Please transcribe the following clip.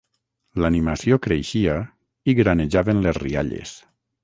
L'animació creixia, i granejaven les rialles.